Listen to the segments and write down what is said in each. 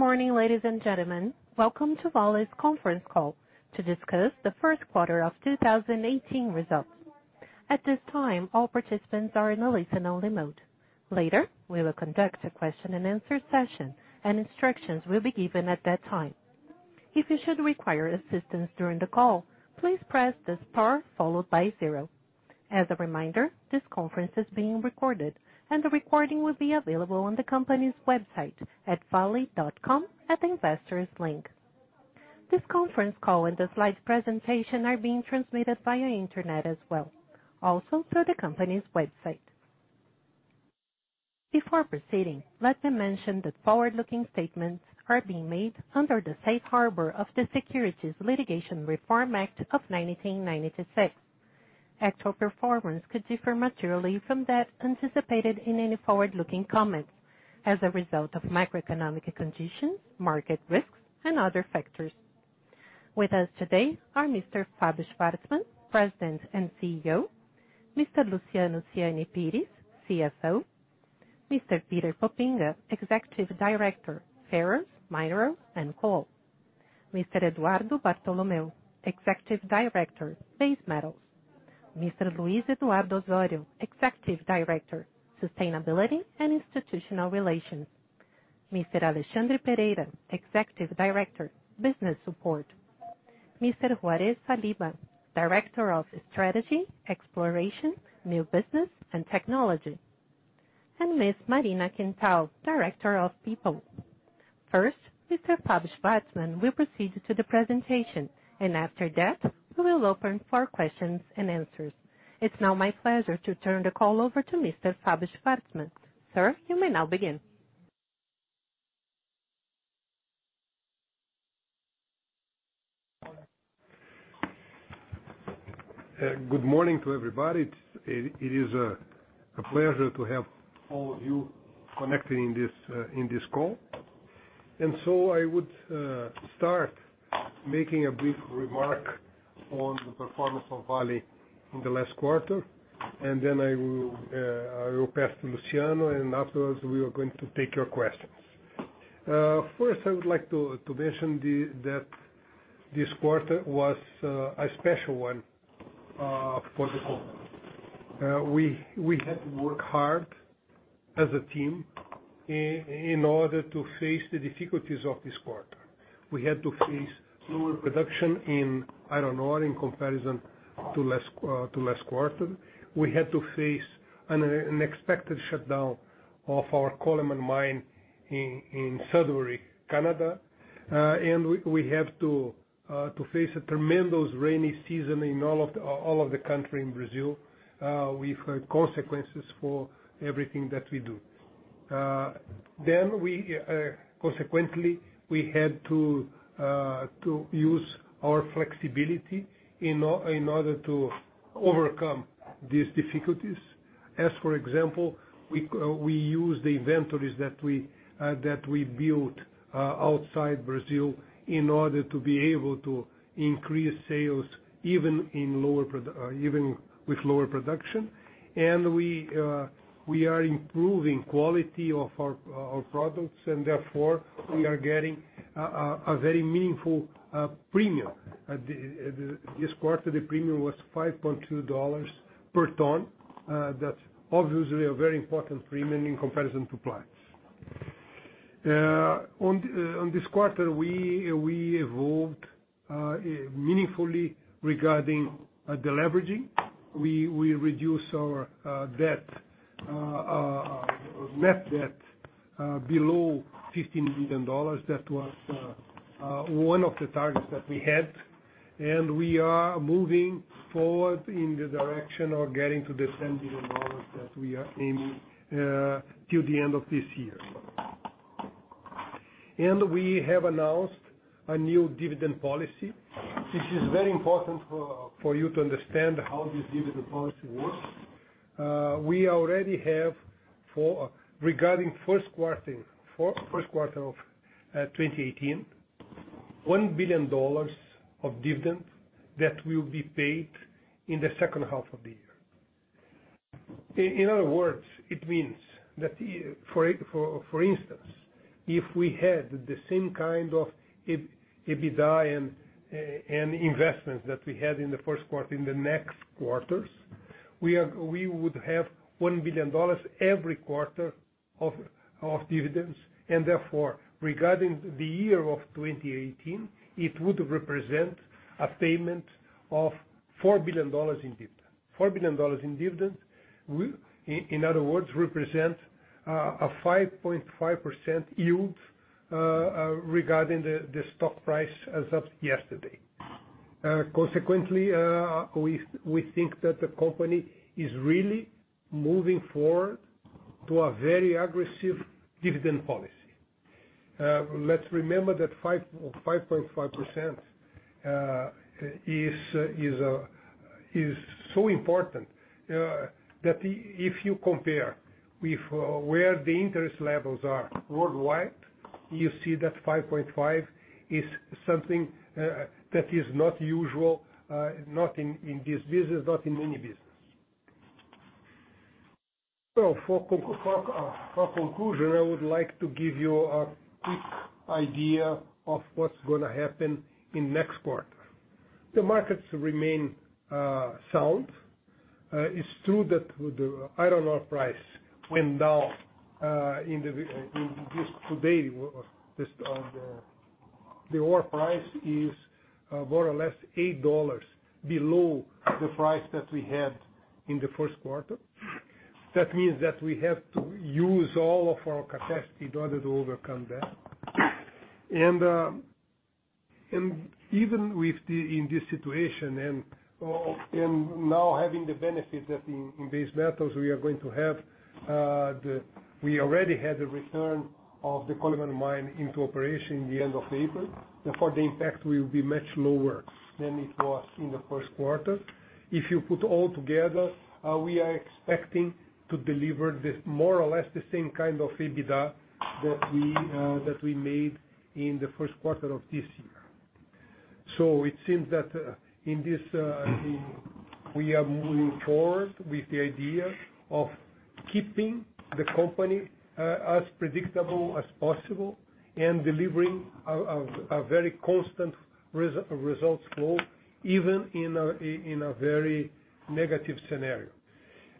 Good morning, ladies and gentlemen. Welcome to Vale's conference call to discuss the Q1 2018 results. At this time, all participants are in a listen-only mode. Later, we will conduct a question and answer session, and instructions will be given at that time. If you should require assistance during the call, please press the star 0. As a reminder, this conference is being recorded, and the recording will be available on the company's website at vale.com at the investors link. This conference call and the slide presentation are being transmitted via internet as well, also through the company's website. Before proceeding, let me mention that forward-looking statements are being made under the safe harbor of the Securities Litigation Reform Act of 1996. Actual performance could differ materially from that anticipated in any forward-looking comments as a result of macroeconomic conditions, market risks and other factors. With us today are Mr. Fabio Schvartsman, President and CEO. Mr. Luciano Siani Pires, CFO. Mr. Peter Poppinga, Executive Director, Ferrous Minerals and Coal. Mr. Eduardo Bartolomeo, Executive Director, Base Metals. Mr. Luiz Eduardo Osorio, Executive Director, Sustainability, and Institutional Relations. Mr. Alexandre Pereira, Executive Director, Business Support. Mr. Juarez Saliba, Director of Strategy, Exploration, New Business, and Technology. Ms. Marina Quental, Director of People. First, Mr. Fabio Schvartsman will proceed to the presentation, and after that, we will open for questions and answers. It's now my pleasure to turn the call over to Mr. Fabio Schvartsman. Sir, you may now begin. Good morning to everybody. It is a pleasure to have all of you connected in this call. I would start making a brief remark on the performance of Vale in the last quarter, and then I will pass to Luciano, and afterwards we are going to take your questions. First, I would like to mention that this quarter was a special one for the company. We had to work hard as a team in order to face the difficulties of this quarter. We had to face lower production in iron ore in comparison to last quarter. We had to face an unexpected shutdown of our Coleman Mine in Sudbury, Canada. We have to face a tremendous rainy season in all of the country in Brazil, with consequences for everything that we do. Consequently, we had to use our flexibility in order to overcome these difficulties. As for example, we use the inventories that we built outside Brazil in order to be able to increase sales even with lower production. We are improving quality of our products and therefore, we are getting a very meaningful premium. This quarter, the premium was $5.2 per ton. That's obviously a very important premium in comparison to plans. On this quarter, we evolved meaningfully regarding deleveraging. We reduced our net debt below $15 billion. That was one of the targets that we had, and we are moving forward in the direction of getting to the $10 billion that we are aiming till the end of this year. We have announced a new dividend policy, which is very important for you to understand how this dividend policy works. We already have, regarding first quarter of 2018, $1 billion of dividend that will be paid in the second half of the year. In other words, it means that, for instance, if we had the same kind of EBITDA and investments that we had in the first quarter, in the next quarters, we would have $1 billion every quarter of dividends, and therefore, regarding the year of 2018, it would represent a payment of $4 billion in dividends. $4 billion in dividends, in other words, represents a 5.5% yield regarding the stock price as of yesterday. Consequently, we think that the company is really moving forward to a very aggressive dividend policy. Let's remember that 5.5% is so important, that if you compare with where the interest levels are worldwide, you see that 5.5 is something that is not usual, not in this business, not in any business. For conclusion, I would like to give you a quick idea of what's going to happen in next quarter. The markets remain sound. It's true that with the iron ore price went down just today. The iron ore price is more or less $8 below the price that we had in the first quarter. That means that we have to use all of our capacity in order to overcome that. Even in this situation, and now having the benefit that in base metals we are going to have, we already had the return of the Coleman Mine into operation in the end of April. Therefore, the impact will be much lower than it was in the first quarter. If you put all together, we are expecting to deliver more or less the same kind of EBITDA that we made in the first quarter of this year. It seems that in this we are moving forward with the idea of keeping the company as predictable as possible and delivering a very constant results flow, even in a very negative scenario.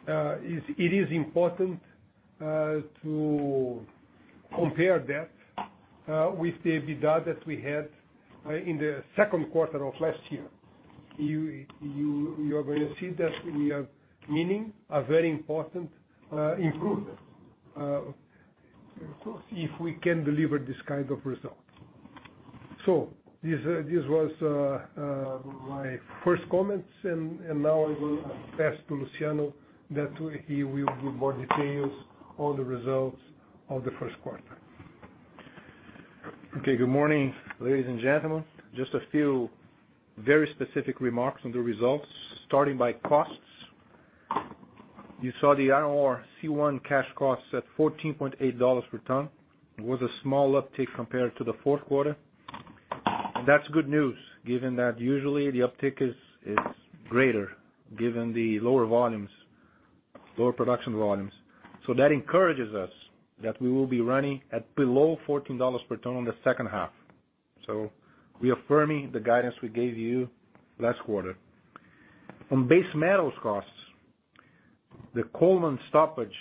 It is important to compare that with the EBITDA that we had in the second quarter of last year. You are going to see that we are meaning a very important improvement if we can deliver this kind of results. This was my first comments, and now I will pass to Luciano, that he will give more details on the results of the first quarter. Okay. Good morning, ladies and gentlemen. Just a few very specific remarks on the results, starting by costs. You saw the iron ore C1 cash cost at $14.80 per tonne. It was a small uptick compared to the fourth quarter. That's good news given that usually the uptick is greater given the lower production volumes. That encourages us that we will be running at below $14 per tonne on the second half. We affirming the guidance we gave you last quarter. On base metals costs, the Coleman stoppage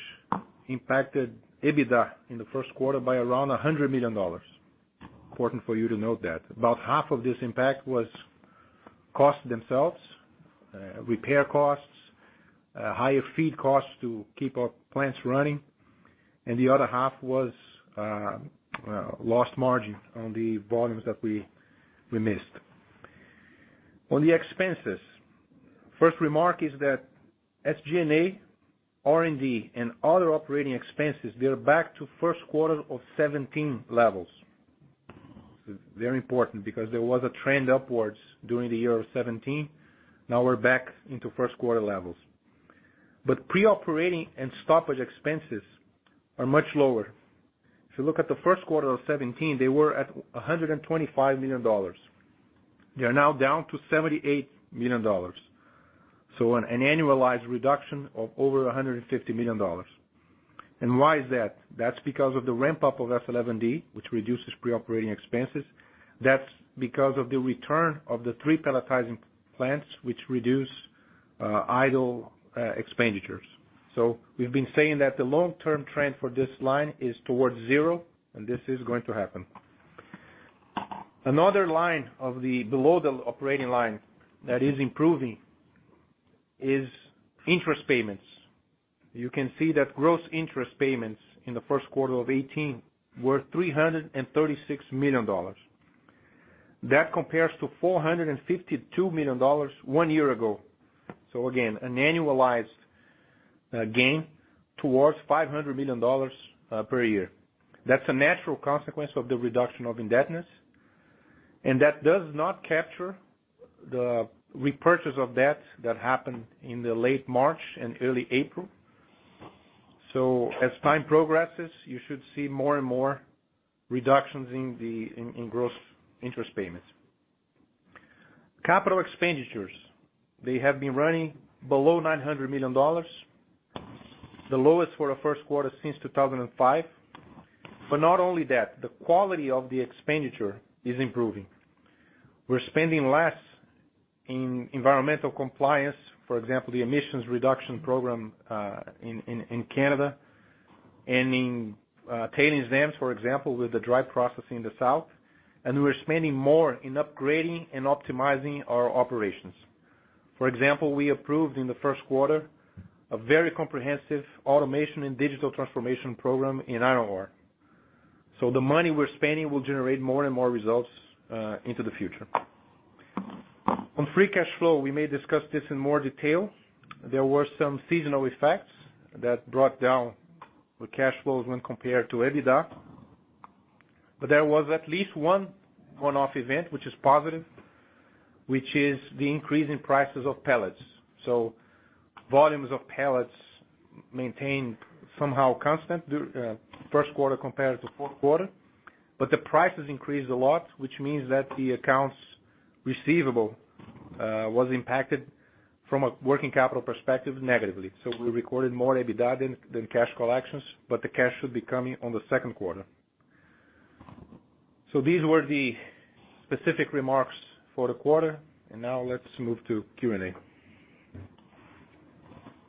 impacted EBITDA in the first quarter by around $100 million. Important for you to note that. About half of this impact was costs themselves, repair costs, higher feed costs to keep our plants running. The other half was lost margin on the volumes that we missed. On the expenses, first remark is that SG&A, R&D, and other operating expenses, they're back to first quarter of 2017 levels. This is very important because there was a trend upwards during the year of 2017. Now we're back into first quarter levels. Pre-operating and stoppage expenses are much lower. If you look at the first quarter of 2017, they were at $125 million. They are now down to $78 million. An annualized reduction of over $150 million. Why is that? That's because of the ramp-up of S11D, which reduces pre-operating expenses. That's because of the return of the three pelletizing plants, which reduce idle expenditures. We've been saying that the long-term trend for this line is towards zero, and this is going to happen. Another line below the operating line that is improving is interest payments. You can see that gross interest payments in the first quarter of 2018 were $336 million. That compares to $452 million one year ago. Again, an annualized gain towards $500 million per year. That's a natural consequence of the reduction of indebtedness, and that does not capture the repurchase of debt that happened in the late March and early April. As time progresses, you should see more and more reductions in gross interest payments. Capital expenditures, they have been running below $900 million. The lowest for a first quarter since 2005. Not only that, the quality of the expenditure is improving. We're spending less in environmental compliance, for example, the emissions reduction program in Canada, and in tailings dams, for example, with the dry processing in the south. We're spending more in upgrading and optimizing our operations. For example, we approved in the first quarter a very comprehensive automation and digital transformation program in iron ore. The money we're spending will generate more and more results into the future. On free cash flow, we may discuss this in more detail. There were some seasonal effects that brought down the cash flows when compared to EBITDA, but there was at least one one-off event, which is positive, which is the increase in prices of pellets. Volumes of pellets maintained somehow constant first quarter compared to fourth quarter, but the prices increased a lot, which means that the accounts receivable was impacted from a working capital perspective negatively. We recorded more EBITDA than cash collections, but the cash should be coming on the second quarter. These were the specific remarks for the quarter. Now let's move to Q&A.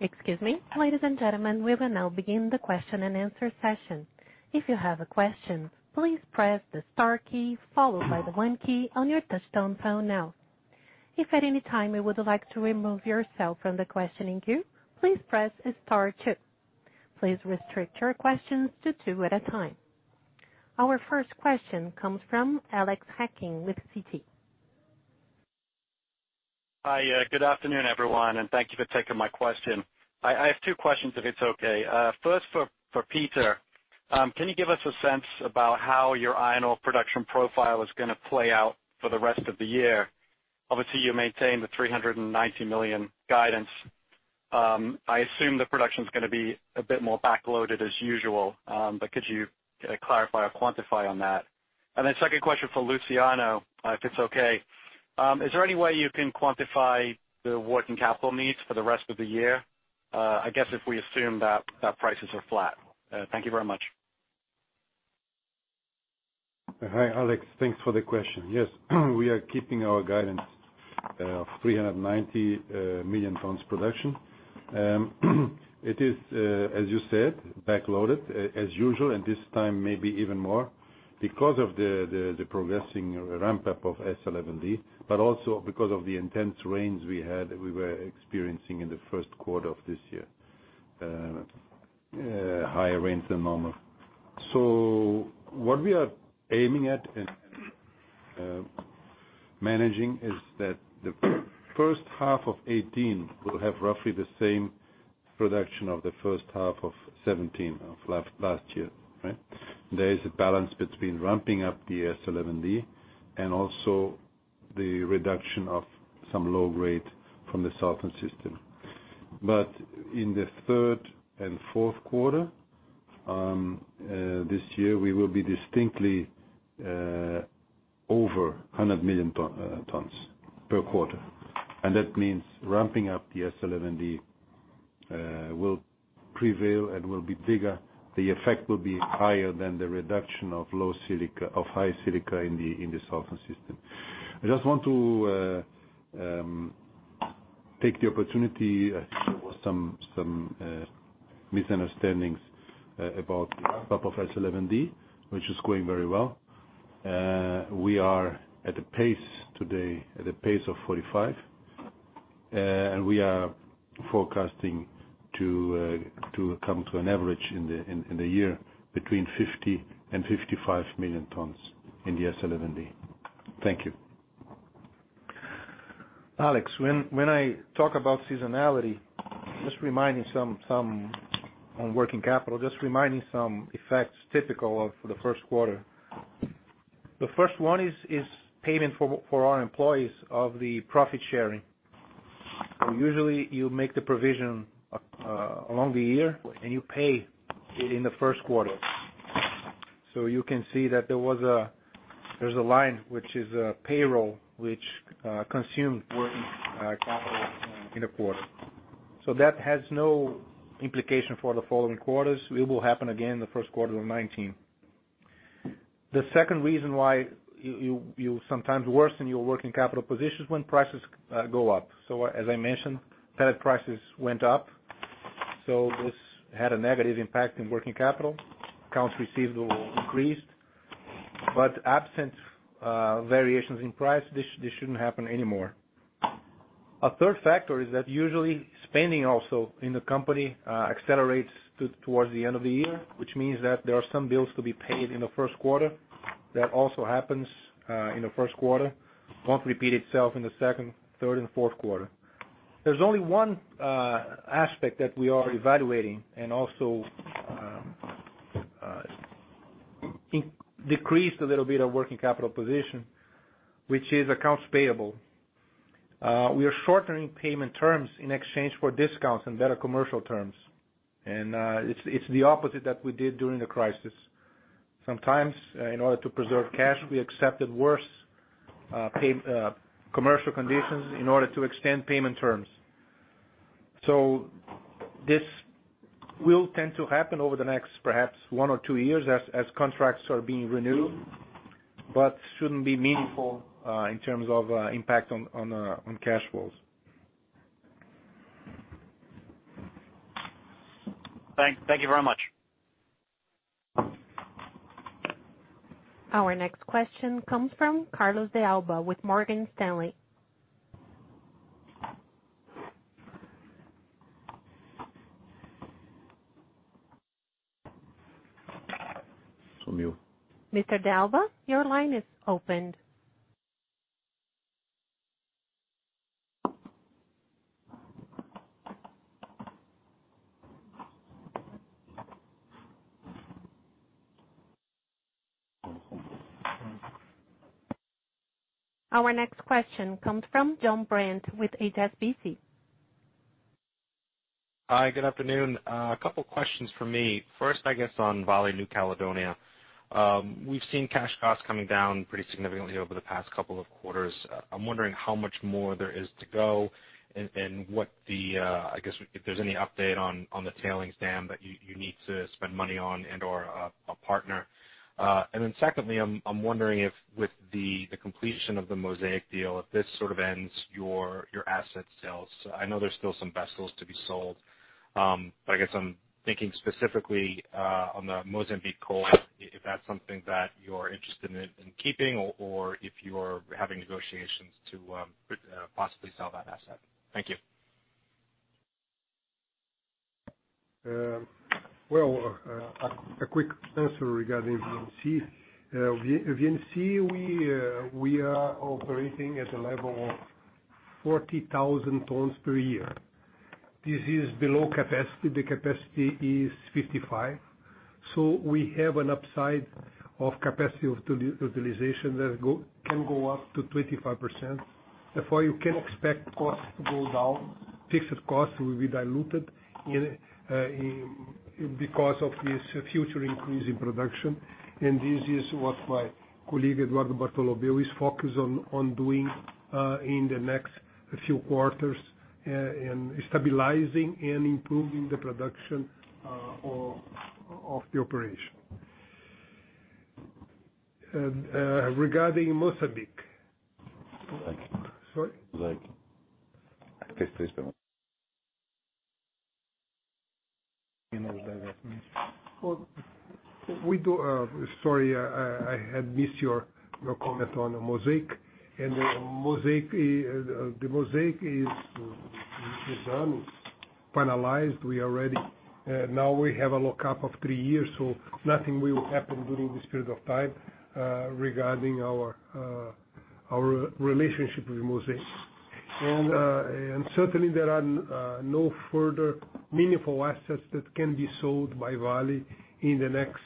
Excuse me. Ladies and gentlemen, we will now begin the question and answer session. If you have a question, please press the star key followed by the one key on your touchtone phone now. If at any time you would like to remove yourself from the questioning queue, please press star two. Please restrict your questions to two at a time. Our first question comes from Alexander Hacking with Citi. Hi. Good afternoon, everyone, and thank you for taking my question. I have two questions if it's okay. First, for Peter, can you give us a sense about how your iron ore production profile is going to play out for the rest of the year? Obviously, you maintain the 390 million guidance. I assume the production is going to be a bit more backloaded as usual. Could you clarify or quantify on that? Second question for Luciano, if it's okay. Is there any way you can quantify the working capital needs for the rest of the year? I guess if we assume that prices are flat. Thank you very much. Hi, Alex. Thanks for the question. Yes, we are keeping our guidance of 390 million tons production. It is, as you said, backloaded as usual, and this time maybe even more because of the progressing ramp-up of S11D, but also because of the intense rains we were experiencing in the first quarter of this year. Higher rains than normal. What we are aiming at and managing is that the first half of 2018 will have roughly the same production of the first half of 2017, of last year, right? There is a balance between ramping up the S11D and also the reduction of some low grade from the southern system. In the third and fourth quarter this year, we will be distinctly over 100 million tons per quarter. That means ramping up the S11D will prevail and will be bigger. The effect will be higher than the reduction of high silica in the southern system. I just want to take the opportunity. I think there was some misunderstandings about the ramp-up of S11D, which is going very well. We are at a pace today, at a pace of 45. We are forecasting to come to an average in the year between 50 and 55 million tons in the S11D. Thank you. Alex, when I talk about seasonality, just reminding some on working capital, just reminding some effects typical of the first quarter. The first one is payment for our employees of the profit sharing. Usually you make the provision along the year, and you pay it in the first quarter. You can see that there's a line, which is payroll, which consumed working capital in the quarter. That has no implication for the following quarters. It will happen again in the first quarter of 2019. The second reason why you sometimes worsen your working capital position is when prices go up. As I mentioned, pellet prices went up. This had a negative impact in working capital. Accounts receivable increased. Absent variations in price, this shouldn't happen anymore. A third factor is that usually spending also in the company accelerates towards the end of the year, which means that there are some bills to be paid in the first quarter. That also happens in the first quarter. Won't repeat itself in the second, third, and fourth quarter. There's only one aspect that we are evaluating, and also decreased a little bit of working capital position, which is accounts payable. We are shortening payment terms in exchange for discounts and better commercial terms. It's the opposite that we did during the crisis. Sometimes, in order to preserve cash, we accepted worse commercial conditions in order to extend payment terms. This will tend to happen over the next perhaps one or two years as contracts are being renewed, but shouldn't be meaningful in terms of impact on cash flows. Thank you very much. Our next question comes from Carlos de Alba with Morgan Stanley. It's on mute. Mr. de Alba, your line is opened. Our next question comes from Jonathan Brandt with HSBC. Hi, good afternoon. A couple questions for me. First, I guess, on Vale, New Caledonia. We've seen cash costs coming down pretty significantly over the past couple of quarters. I'm wondering how much more there is to go and, I guess if there's any update on the tailings dam that you need to spend money on and/or a partner. Secondly, I'm wondering if with the completion of the Mosaic deal, if this sort of ends your asset sales. I know there's still some vessels to be sold, but I guess I'm thinking specifically on the Mozambique coal, if that's something that you're interested in keeping or if you are having negotiations to possibly sell that asset. Thank you. A quick answer regarding VNC. VNC, we are operating at a level of 40,000 tons per year. This is below capacity. The capacity is 55,000. We have an upside of capacity utilization that can go up to 25%. Therefore, you can expect costs to go down. Fixed costs will be diluted because of this future increase in production. This is what my colleague, Eduardo Bartolomeo, is focused on doing in the next few quarters, in stabilizing and improving the production of the operation. Regarding Mozambique. Sorry? Sorry, I had missed your comment on Mosaic. The Mosaic is done, finalized. Now we have a lock-up of three years, so nothing will happen during this period of time regarding our relationship with Mosaic. Certainly there are no further meaningful assets that can be sold by Vale in the next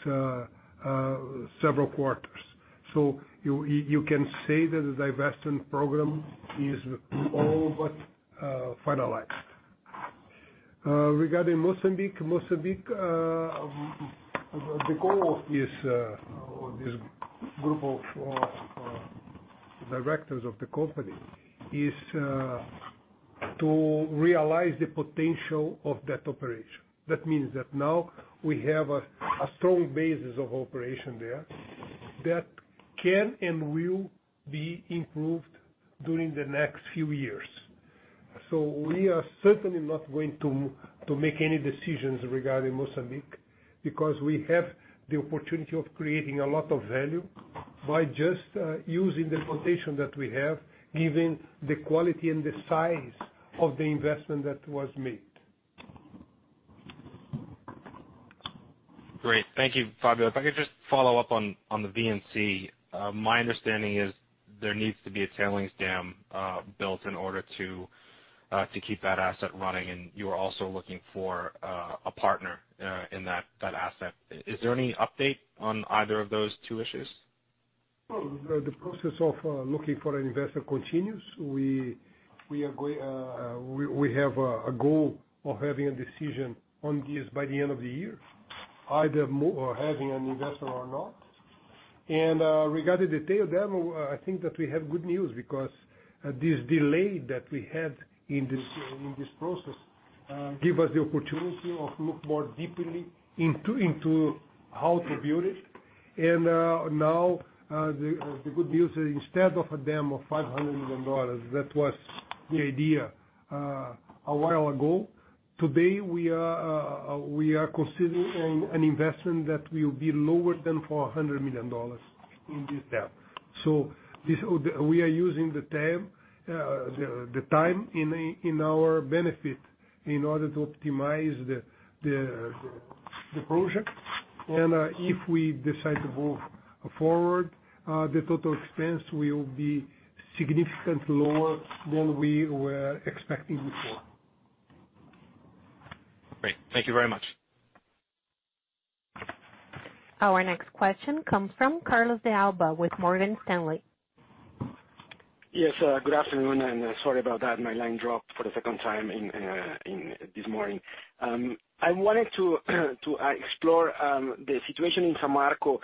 several quarters. You can say that the divestment program is all but finalized. Regarding Mozambique, the goal of this group of directors of the company is to realize the potential of that operation. That means that now we have a strong basis of operation there that can and will be improved during the next few years. We are certainly not going to make any decisions regarding Mozambique because we have the opportunity of creating a lot of value by just using the potential that we have, given the quality and the size of the investment that was made. Great. Thank you, Fabio. If I could just follow up on the VNC. My understanding is there needs to be a tailings dam built in order to keep that asset running, and you are also looking for a partner in that asset. Is there any update on either of those two issues? The process of looking for an investor continues. We have a goal of having a decision on this by the end of the year, either having an investor or not. Regarding the tail dam, I think that we have good news because this delay that we had in this process give us the opportunity to look more deeply into how to build it. Now, the good news, instead of a dam of $500 million, that was the idea a while ago. Today, we are considering an investment that will be lower than $400 million in this dam. We are using the time in our benefit in order to optimize the project. If we decide to move forward, the total expense will be significantly lower than we were expecting before. Great. Thank you very much. Our next question comes from Carlos De Alba with Morgan Stanley. Yes, good afternoon. Sorry about that. My line dropped for the second time this morning. I wanted to explore the situation in Samarco.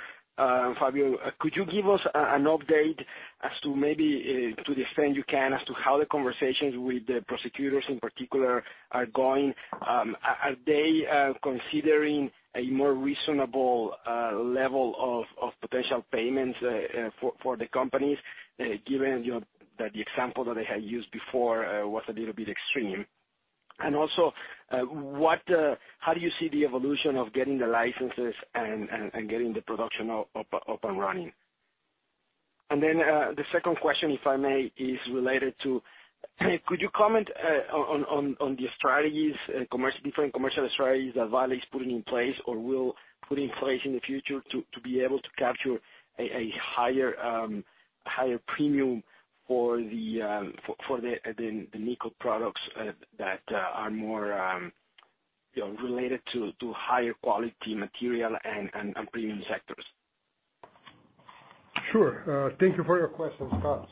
Fabio, could you give us an update as to maybe to the extent you can, as to how the conversations with the prosecutors in particular are going? Are they considering a more reasonable level of potential payments for the companies, given that the example that they had used before was a little bit extreme? How do you see the evolution of getting the licenses and getting the production up and running? The second question, if I may, is related to could you comment on the different commercial strategies that Vale is putting in place or will put in place in the future to be able to capture a higher premium for the nickel products that are more related to higher quality material and premium sectors? Sure. Thank you for your questions, Carlos.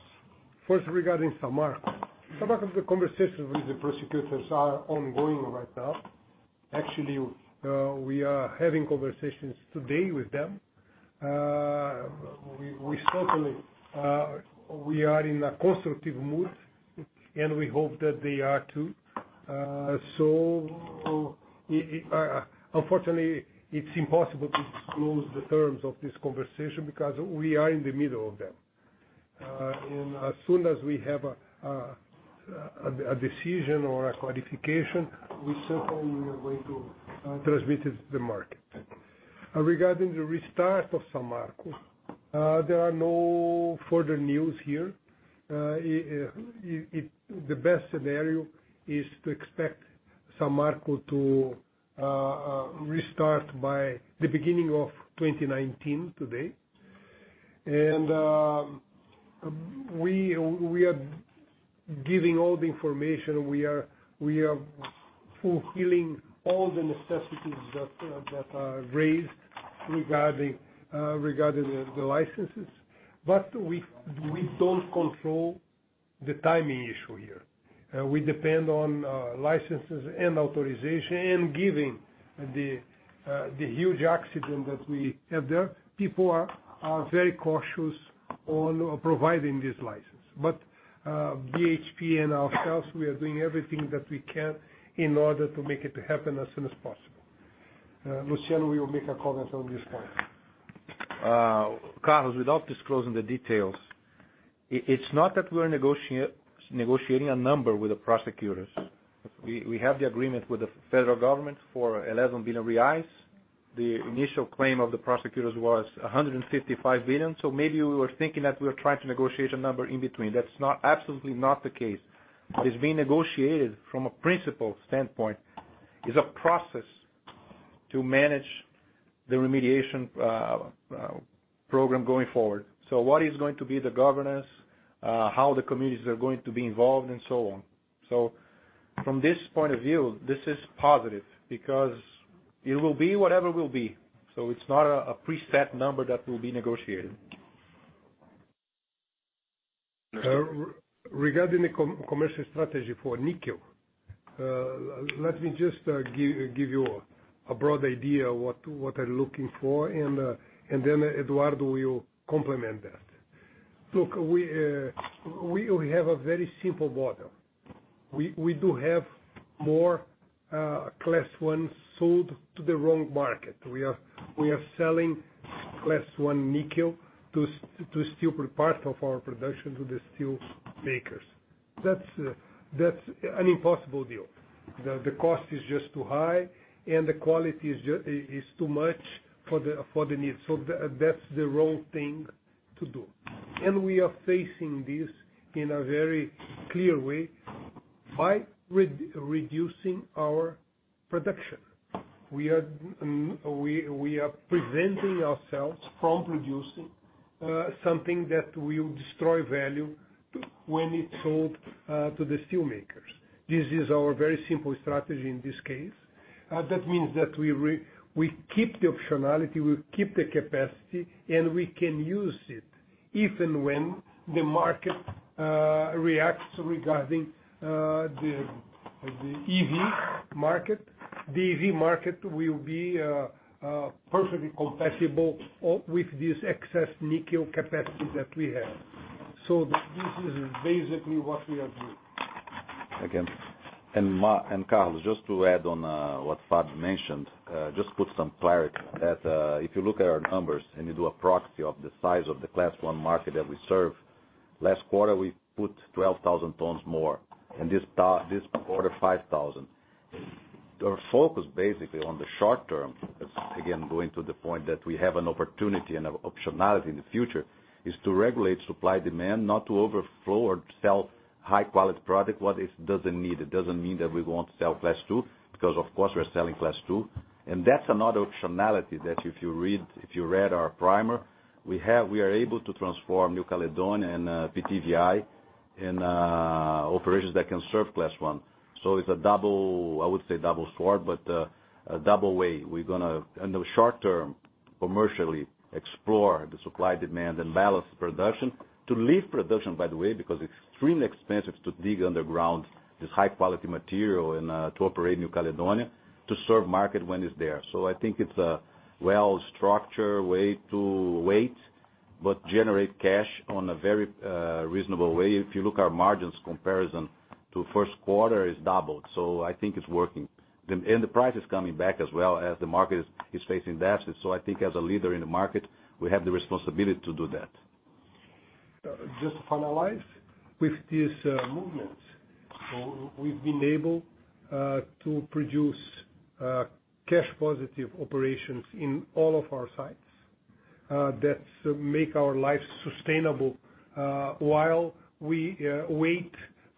First, regarding Samarco. Samarco, the conversations with the prosecutors are ongoing right now. Actually, we are having conversations today with them. We certainly are in a constructive mood, and we hope that they are too. Unfortunately, it's impossible to disclose the terms of this conversation because we are in the middle of them. As soon as we have a decision or a clarification, we certainly are going to transmit it to the market. Regarding the restart of Samarco, there are no further news here. The best scenario is to expect Samarco to restart by the beginning of 2019 today. We are giving all the information. We are fulfilling all the necessities that are raised regarding the licenses, but we don't control the timing issue here. We depend on licenses and authorization, and given the huge accident that we have there, people are very cautious on providing this license. BHP and ourselves, we are doing everything that we can in order to make it happen as soon as possible. Luciano will make a comment on this point. Carlos, without disclosing the details, it's not that we're negotiating a number with the prosecutors. We have the agreement with the federal government for R$11 billion. The initial claim of the prosecutors was R$155 billion. Maybe you were thinking that we were trying to negotiate a number in between. That's absolutely not the case. What is being negotiated, from a principle standpoint, is a process to manage the remediation program going forward. What is going to be the governance, how the communities are going to be involved, and so on. From this point of view, this is positive because it will be whatever will be. It's not a preset number that will be negotiated. Regarding the commercial strategy for nickel, let me just give you a broad idea what we're looking for. Then Eduardo will complement that. Look, we have a very simple model. We do have more Class I sold to the wrong market. We are selling Class I nickel to steel, part of our production to the steel makers. That's an impossible deal. The cost is just too high. The quality is too much for the need. That's the wrong thing to do. We are facing this in a very clear way by reducing our production. We are preventing ourselves from producing something that will destroy value when it's sold to the steel makers. This is our very simple strategy in this case. That means that we keep the optionality, we keep the capacity, and we can use it, if and when the market reacts regarding the EV market. The EV market will be perfectly compatible with this excess nickel capacity that we have. This is basically what we are doing. Again. Carlos, just to add on what Fabio mentioned, just put some clarity that if you look at our numbers and you do a proxy of the size of the Class I market that we serve, last quarter, we put 12,000 tons more. This quarter, 5,000. Our focus basically on the short term, again, going to the point that we have an opportunity and an optionality in the future, is to regulate supply-demand, not to overflow or sell high-quality product what it doesn't need. It doesn't mean that we won't sell Class II, because of course, we're selling Class II. That's another optionality that if you read our primer, we are able to transform New Caledonia and PTVI in operations that can serve Class I. It's a double, I would say double sword, but a double way. We're going to, in the short term, commercially explore the supply-demand and balance production to leave production, by the way, because it's extremely expensive to dig underground this high-quality material and to operate New Caledonia to serve market when it's there. I think it's a well-structured way to wait, but generate cash on a very reasonable way. If you look our margins comparison to first quarter, it's doubled. I think it's working. The price is coming back as well as the market is facing that. I think as a leader in the market, we have the responsibility to do that. Just to finalize, with these movements, we've been able to produce cash positive operations in all of our sites. That make our lives sustainable while we wait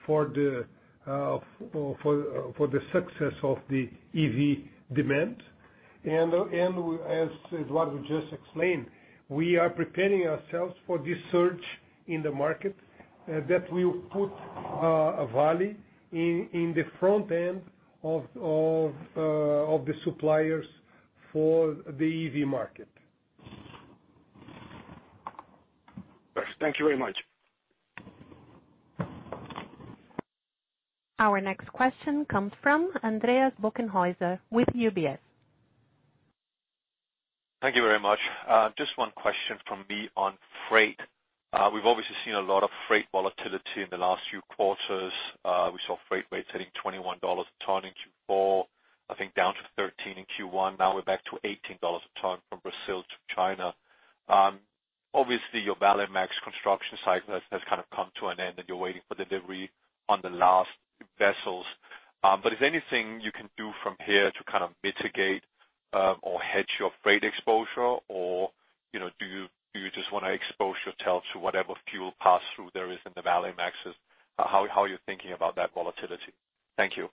for the success of the EV demand. As Eduardo just explained, we are preparing ourselves for this surge in the market. That will put Vale in the front end of the suppliers for the EV market. Thank you very much. Our next question comes from Andreas Bokkenheuser with UBS. Thank you very much. Just one question from me on freight. We've obviously seen a lot of freight volatility in the last few quarters. We saw freight rates hitting $21 a ton in Q4, I think, down to $13 in Q1. Now we're back to $18 a ton from Brazil to China. Obviously, your Valemax construction cycle has kind of come to an end, and you're waiting for delivery on the last vessels. Is there anything you can do from here to kind of mitigate or hedge your freight exposure? Do you just want to expose your Vale to whatever fuel pass-through there is in the Valemaxes? How are you thinking about that volatility? Thank you.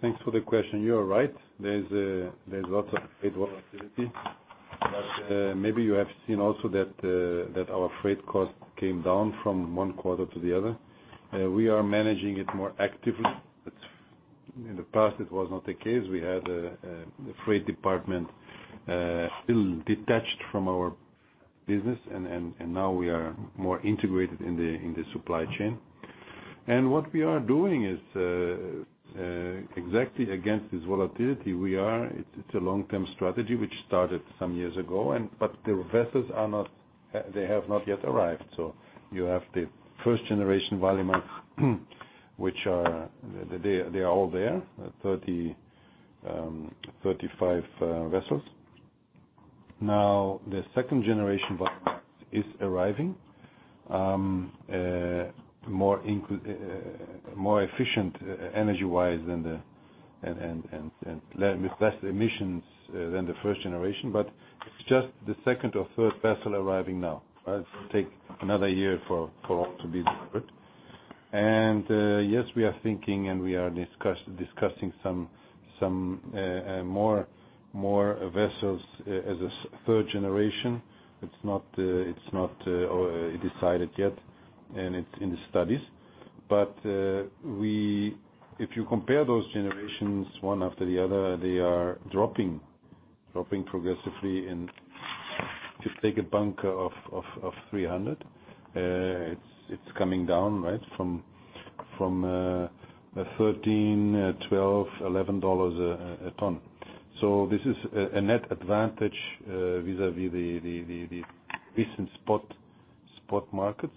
Thanks for the question. You are right. There is lots of freight volatility. Maybe you have seen also that our freight cost came down from one quarter to the other. We are managing it more actively. In the past, it was not the case. We had the freight department still detached from our business, and now we are more integrated in the supply chain. What we are doing is exactly against this volatility. It's a long-term strategy, which started some years ago. The vessels have not yet arrived. You have the first generation Valemax, they are all there, 35 vessels. Now, the second generation is arriving. More efficient energy-wise, and less emissions than the first generation, but it's just the second or third vessel arriving now. It'll take another year for all to be delivered. Yes, we are thinking and we are discussing some more vessels as a third generation. It's not decided yet, and it's in the studies. If you compare those generations, one after the other, they are dropping progressively in to take a bunker of 300. It's coming down from $13, $12, $11 a ton. This is a net advantage vis-à-vis the recent spot markets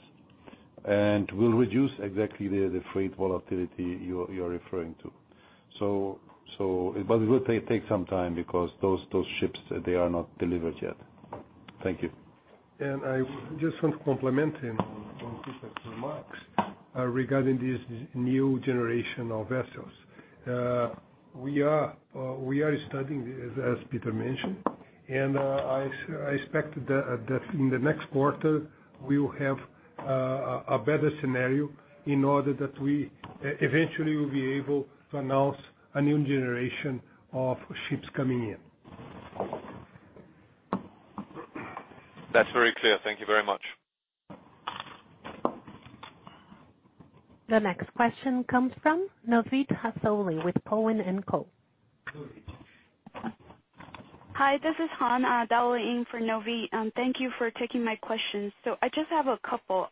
and will reduce exactly the freight volatility you're referring to. It will take some time because those ships are not delivered yet. Thank you. I just want to complement on Peter's remarks regarding this new generation of vessels. We are studying, as Peter mentioned, and I expect that in the next quarter, we will have a better scenario in order that we eventually will be able to announce a new generation of ships coming in. That's very clear. Thank you very much. The next question comes from Novid Rassouli with Cowen and Company. Hi, this is Han doubling in for Novit. Thank you for taking my questions. I just have a couple.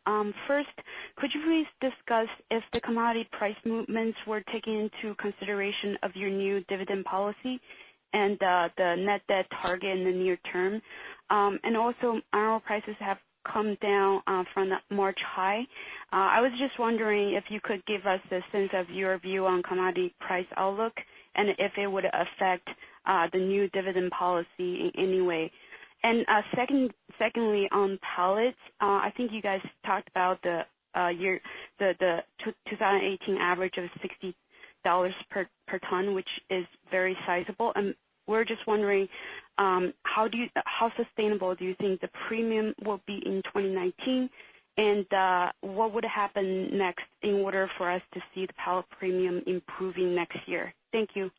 First, could you please discuss if the commodity price movements were taken into consideration of your new dividend policy and the net debt target in the near term? Also, iron ore prices have come down from the March high. I was just wondering if you could give us a sense of your view on commodity price outlook and if it would affect the new dividend policy in any way. Secondly, on pellets, I think you guys talked about the 2018 average of $60 per ton, which is very sizable. We're just wondering, how sustainable do you think the premium will be in 2019? What would happen next in order for us to see the pellet premium improving next year? Thank you.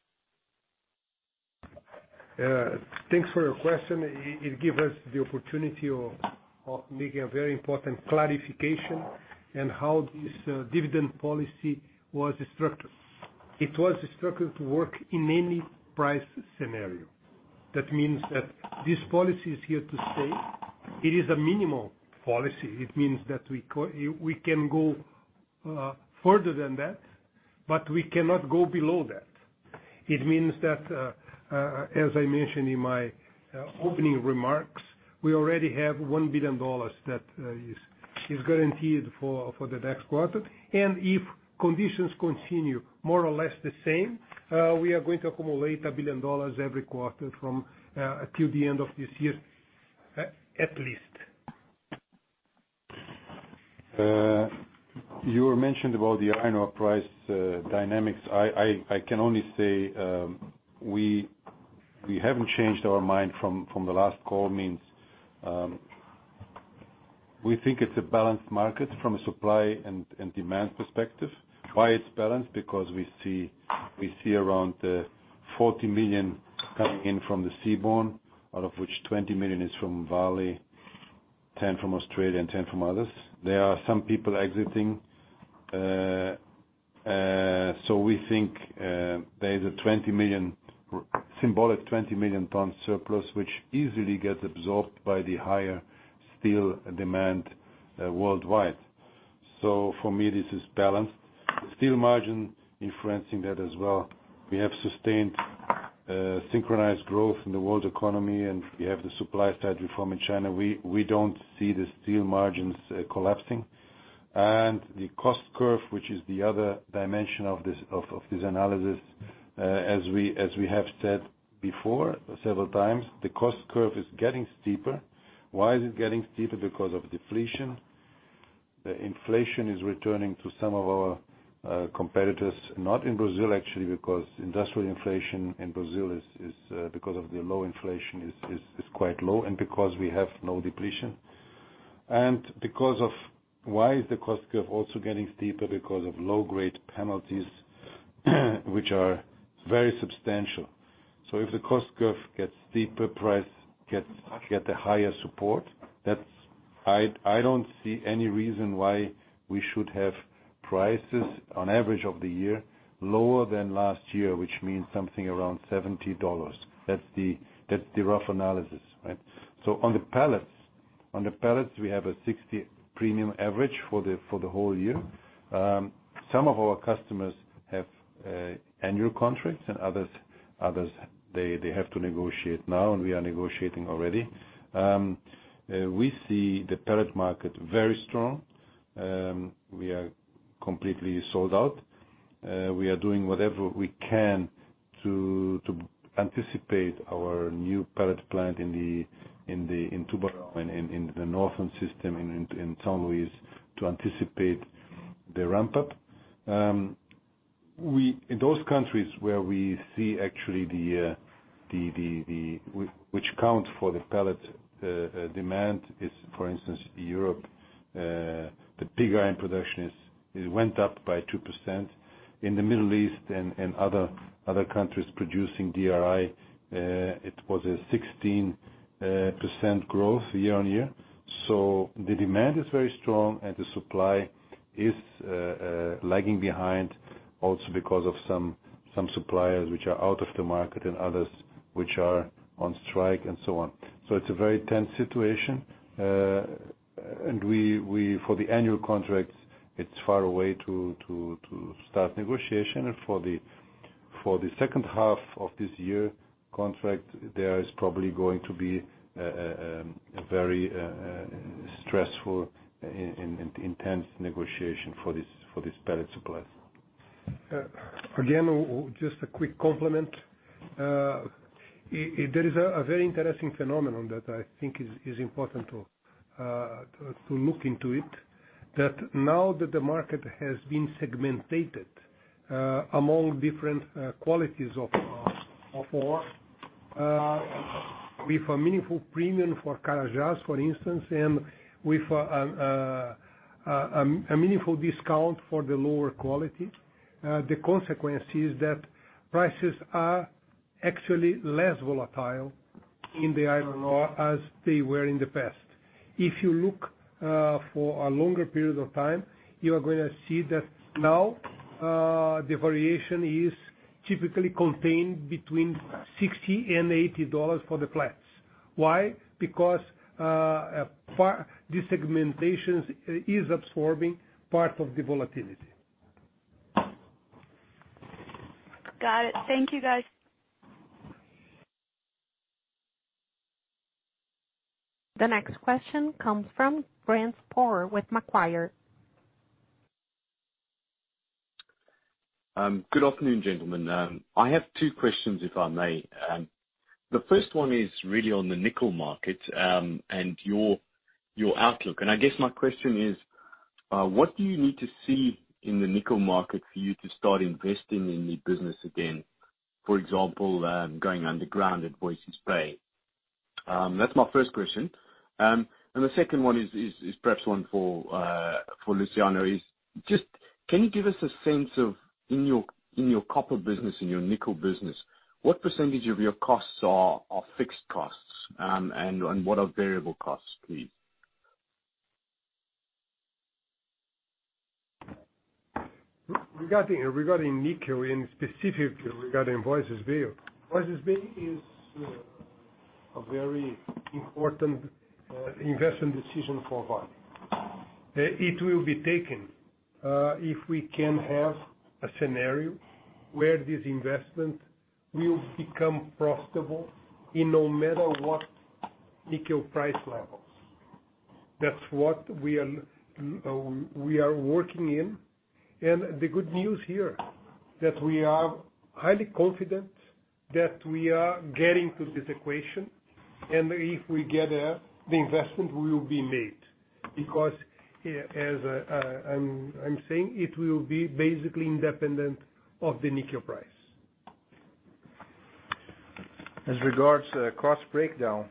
Thanks for your question. It give us the opportunity of making a very important clarification on how this dividend policy was structured. It was structured to work in any price scenario. That means that this policy is here to stay. It is a minimal policy. It means that we can go further than that, but we cannot go below that. It means that, as I mentioned in my opening remarks, we already have $1 billion that is guaranteed for the next quarter. If conditions continue more or less the same, we are going to accumulate $1 billion every quarter until the end of this year, at least. You mentioned about the iron ore price dynamics. I can only say we haven't changed our mind from the last call. It means we think it's a balanced market from a supply and demand perspective. Why it's balanced? Because we see around the 40 million coming in from the seaborne, out of which 20 million is from Vale, 10 from Australia, and 10 from others. There are some people exiting. We think there is a symbolic 20 million ton surplus, which easily gets absorbed by the higher steel demand worldwide. For me, this is balanced. Steel margin influencing that as well. We have sustained synchronized growth in the world economy, and we have the supply side reform in China. We don't see the steel margins collapsing. The cost curve, which is the other dimension of this analysis, as we have said before, several times, the cost curve is getting steeper. Why is it getting steeper? Because of deflation. The inflation is returning to some of our competitors, not in Brazil actually, because industrial inflation in Brazil because of the low inflation is quite low and because we have no depletion. Why is the cost curve also getting steeper? Because of low-grade penalties which are very substantial. If the cost curve gets steeper, price gets the higher support. I don't see any reason why we should have prices on average of the year lower than last year, which means something around $70. That's the rough analysis, right? On the pellets we have a $60 premium average for the whole year. Some of our customers have annual contracts and others they have to negotiate now, and we are negotiating already. We see the pellet market very strong. We are completely sold out. We are doing whatever we can to anticipate our new pellet plant in Tubarão in the northern system, in São Luís, to anticipate the ramp up. In those countries which count for the pellet demand is, for instance, Europe. The pig iron production went up by 2%. In the Middle East and other countries producing DRI, it was a 16% growth year-on-year. The demand is very strong and the supply is lagging behind also because of some suppliers which are out of the market and others which are on strike and so on. It's a very tense situation. For the annual contracts, it's far away to start negotiation. For the second half of this year contract, there is probably going to be a very stressful and intense negotiation for this pellet supply. Again, just a quick complement. There is a very interesting phenomenon that I think is important to look into it, that now that the market has been segmented among different qualities of ore, with a meaningful premium for Carajás, for instance, and with a meaningful discount for the lower quality. The consequence is that prices are actually less volatile in the iron ore as they were in the past. If you look for a longer period of time, you are going to see that now the variation is typically contained between $60 and $80 for the flats. Why? Because this segmentation is absorbing part of the volatility. Got it. Thank you, guys. The next question comes from Grant Sporre with Macquarie. Good afternoon, gentlemen. I have two questions, if I may. The first one is really on the nickel market, and your outlook. I guess my question is, what do you need to see in the nickel market for you to start investing in the business again? For example, going underground at Voisey's Bay. That's my first question. The second one is perhaps one for Luciano, can you give us a sense of, in your copper business, in your nickel business, what percentage of your costs are fixed costs, and what are variable costs, please? Regarding nickel, and specifically regarding Voisey's Bay. Voisey's Bay is a very important investment decision for Vale. It will be taken if we can have a scenario where this investment will become profitable in no matter what nickel price levels. That's what we are working in. The good news here, that we are highly confident that we are getting to this equation. If we get there, the investment will be made because as I'm saying, it will be basically independent of the nickel price. As regards to cost breakdown,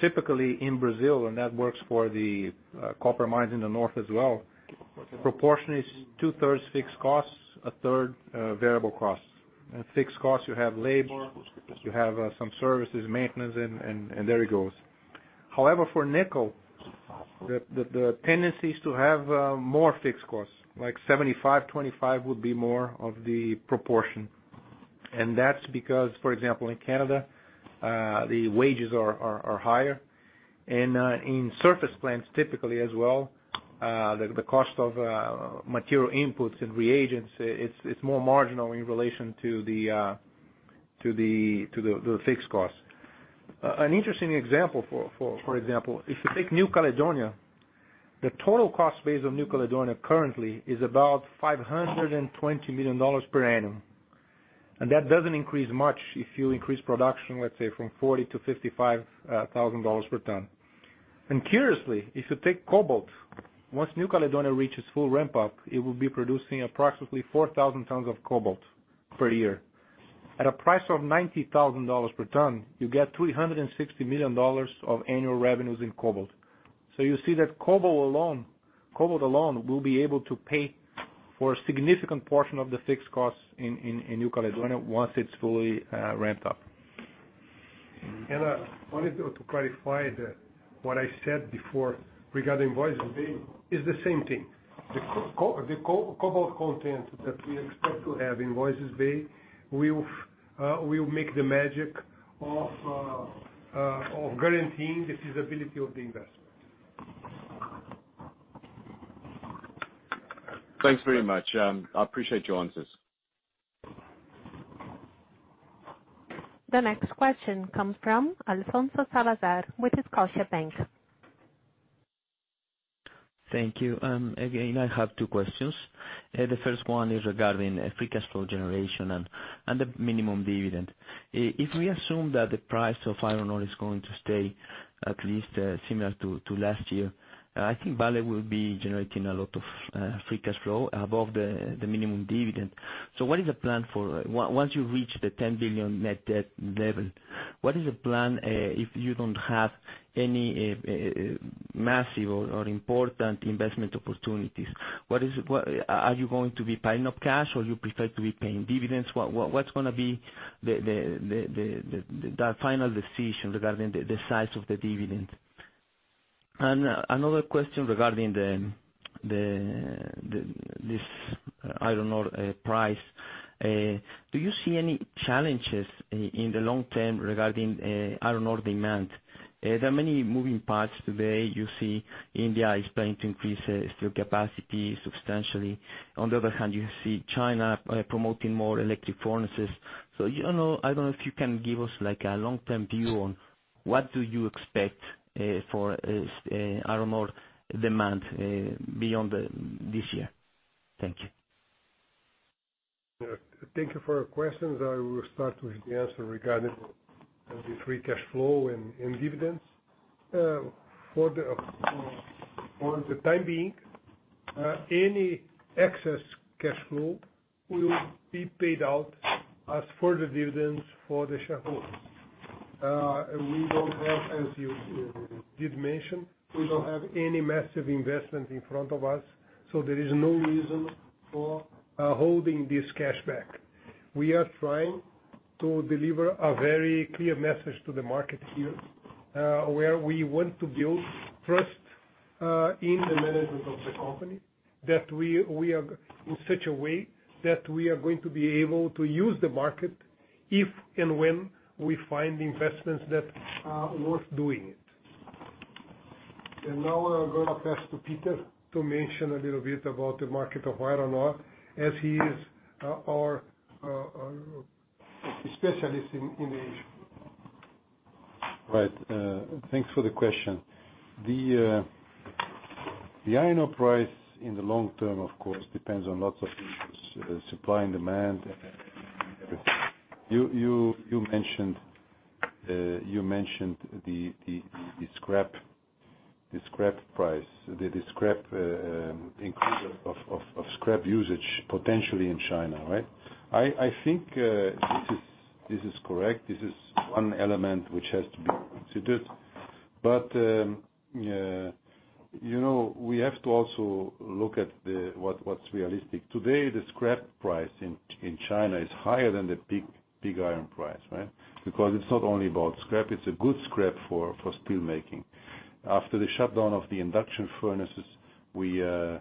typically in Brazil, and that works for the copper mines in the north as well, proportion is two-thirds fixed costs, a third variable costs. In fixed costs, you have labor, you have some services, maintenance, and there it goes. However, for nickel, the tendency is to have more fixed costs, like 75, 25 would be more of the proportion. That's because, for example, in Canada, the wages are higher. In surface plants, typically as well, the cost of material inputs and reagents, it's more marginal in relation to the fixed cost. An interesting example, if you take New Caledonia, the total cost base of New Caledonia currently is about $520 million per annum. That doesn't increase much if you increase production, let's say, from $40,000 to $55,000 per ton. Curiously, if you take cobalt, once New Caledonia reaches full ramp-up, it will be producing approximately 4,000 tons of cobalt per year. At a price of $90,000 per ton, you get $360 million of annual revenues in cobalt. You see that cobalt alone will be able to pay for a significant portion of the fixed costs in New Caledonia once it's fully ramped up. I wanted to clarify that what I said before regarding Voisey's Bay, is the same thing. The cobalt content that we expect to have in Voisey's Bay will make the magic of guaranteeing the feasibility of the investment. Thanks very much. I appreciate your answers. The next question comes from Alfonso Salazar with Scotiabank. Thank you. Again, I have two questions. The first one is regarding free cash flow generation and the minimum dividend. If we assume that the price of iron ore is going to stay at least similar to last year, I think Vale will be generating a lot of free cash flow above the minimum dividend. What is the plan once you reach the $10 billion net debt level? What is the plan if you don't have any massive or important investment opportunities? Are you going to be piling up cash or you prefer to be paying dividends? What's going to be the final decision regarding the size of the dividend? Another question regarding this iron ore price. Do you see any challenges in the long term regarding iron ore demand? There are many moving parts today. You see India is planning to increase steel capacity substantially. On the other hand, you see China promoting more electric furnaces. I don't know if you can give us a long-term view on what do you expect for iron ore demand beyond this year. Thank you. Thank you for your questions. I will start with the answer regarding the free cash flow and dividends. For the time being, any excess cash flow will be paid out as further dividends for the shareholders. As you did mention, we don't have any massive investment in front of us, so there is no reason for holding this cash back. We are trying to deliver a very clear message to the market here, where we want to build trust in the management of the company, in such a way that we are going to be able to use the market if and when we find investments that are worth doing it. Now I'm going to pass to Peter Poppinga to mention a little bit about the market of iron ore as he is our specialist in the area. Right. Thanks for the question. The iron ore price in the long term, of course, depends on lots of issues, supply and demand. You mentioned the scrap price, the increase of scrap usage potentially in China, right? I think this is correct. This is one element which has to be considered. We have to also look at what's realistic. Today, the scrap price in China is higher than the pig iron price, right? Because it's not only about scrap, it's a good scrap for steel making. After the shutdown of the induction furnaces, we had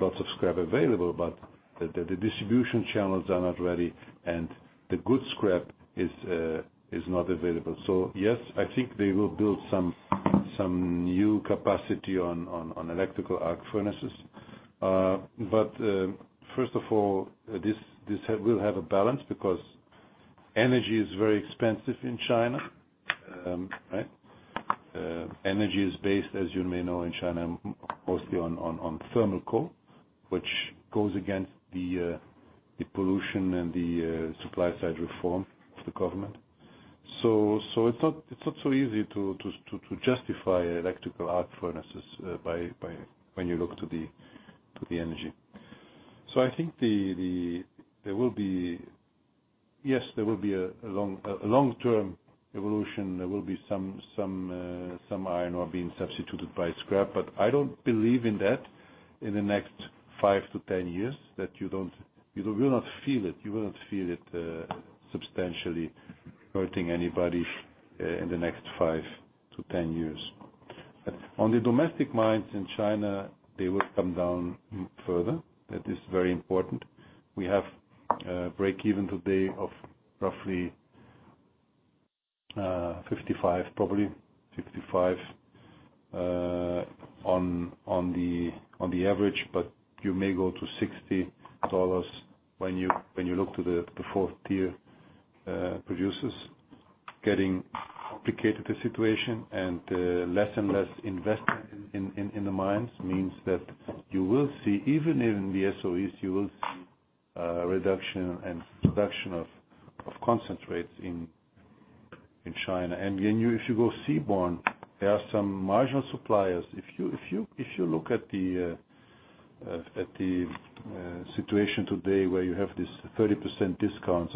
lots of scrap available, but the distribution channels are not ready, and the good scrap is not available. Yes, I think they will build some new capacity on electrical arc furnaces. First of all, this will have a balance because energy is very expensive in China, right? Energy is based, as you may know, in China, mostly on thermal coal, which goes against the pollution and the supply side reform of the government. It's not so easy to justify electrical arc furnaces when you look to the energy. I think there will be a long-term evolution. There will be some iron ore being substituted by scrap, but I don't believe in that in the next 5-10 years. That you will not feel it substantially hurting anybody in the next 5-10 years. On the domestic mines in China, they will come down further. That is very important. We have a break-even today of roughly 55, probably 55 on the average. You may go to $60 when you look to the 4th tier producers getting complicated the situation, and less and less investment in the mines means that you will see, even in the SOEs, a reduction and production of concentrates in China. Again, if you go seaborne, there are some marginal suppliers. If you look at the situation today where you have this 30% discounts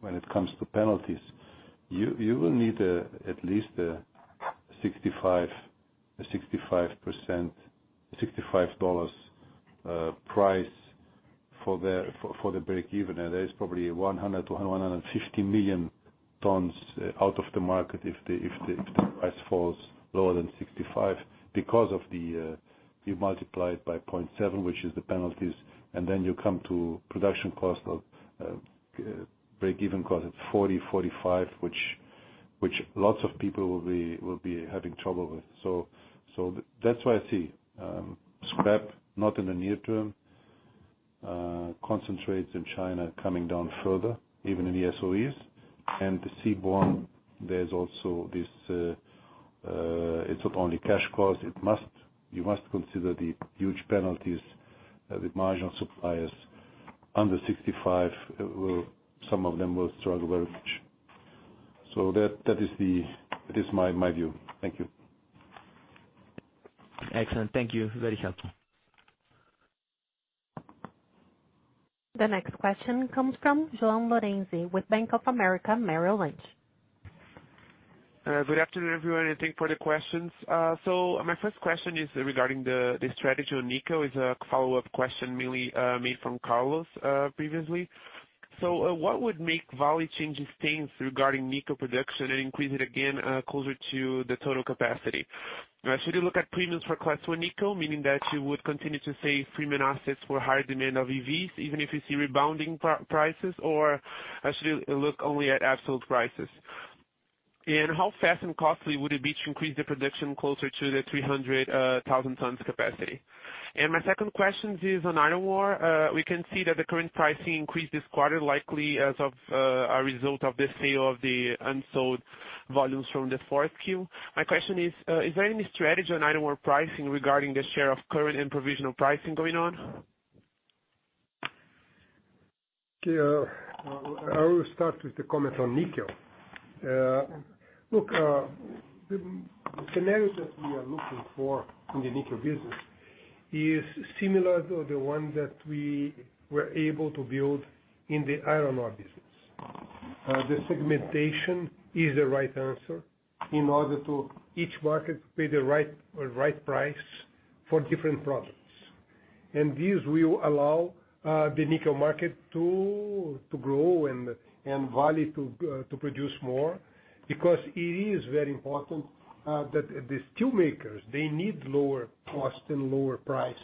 when it comes to penalties, you will need at least a $65 price for the break-even. There is probably 100 to 150 million tons out of the market if the price falls lower than $65 because of the, you multiply it by 0.7, which is the penalties, and then you come to production cost of break-even cost at $40, $45, which lots of people will be having trouble with. That's why I see scrap not in the near term, concentrates in China coming down further, even in the SOEs and the seaborne, there's also this, it's not only cash costs, you must consider the huge penalties with marginal suppliers under $65, some of them will struggle very much. That is my view. Thank you. Excellent. Thank you. Very helpful. The next question comes from João Lorenzi with Bank of America Merrill Lynch. Good afternoon, everyone, thank you for the questions. My first question is regarding the strategy on nickel as a follow-up question mainly made from Carlos previously. What would make Vale change its things regarding nickel production and increase it again closer to the total capacity? Should you look at premiums for Class I nickel, meaning that you would continue to save premium assets for higher demand of EVs, even if you see rebounding prices or should look only at absolute prices? How fast and costly would it be to increase the production closer to the 300,000 tons capacity? My second question is on iron ore. We can see that the current pricing increase this quarter likely as of a result of the sale of the unsold volumes from the fourth Q. My question is there any strategy on iron ore pricing regarding the share of current and provisional pricing going on? Okay. I will start with the comment on nickel. Look, the scenario that we are looking for in the nickel business is similar to the one that we were able to build in the iron ore business. The segmentation is the right answer in order to each market pay the right price for different products. This will allow the nickel market to grow and Vale to produce more because it is very important that the steel makers, they need lower cost and lower price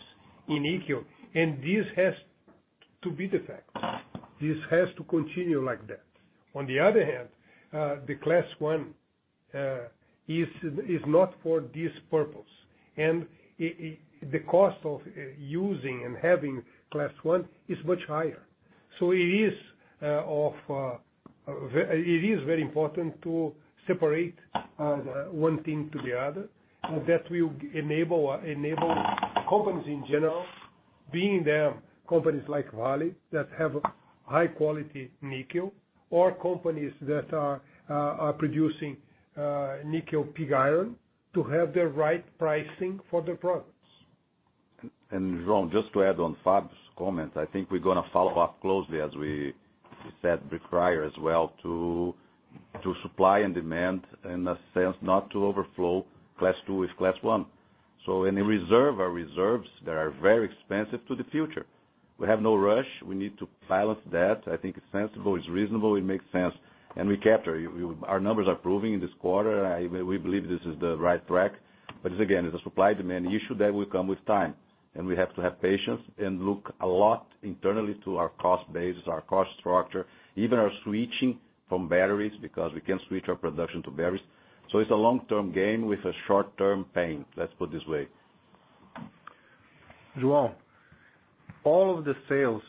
in nickel, and this has to be the fact. This has to continue like that. On the other hand, the Class I is not for this purpose. The cost of using and having Class I is much higher. It is very important to separate one thing to the other. That will enable companies in general, being them companies like Vale that have high-quality nickel or companies that are producing nickel pig iron to have the right pricing for their products. João, just to add on Fab's comments, I think we're going to follow up closely, as we said before as well, to supply and demand in a sense, not to overflow Class II with Class I. Any reserve are reserves that are very expensive to the future. We have no rush. We need to balance that. I think it's sensible, it's reasonable, it makes sense. We capture, our numbers are proving in this quarter, we believe this is the right track, but again, it's a supply/demand issue that will come with time. We have to have patience and look a lot internally to our cost base, our cost structure, even our switching from batteries, because we can switch our production to batteries. It's a long-term game with a short-term pain. Let's put it this way. João, all of the sales,